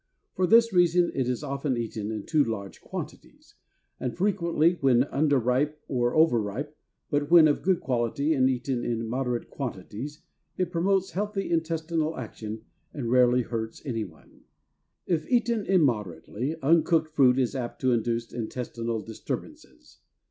For this reason it is often eaten in too large quantities, and frequently when underripe or overripe; but when of good quality and eaten in moderate quantities it promotes healthy intestinal action and rarely hurts anyone. If eaten immoderately, uncooked fruit is apt to induce intestinal disturbances.